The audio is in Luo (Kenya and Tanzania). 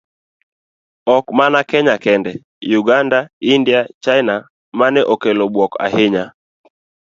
Ok mana kenya kende, Uganda, India, China, mane okelo buok ahinya.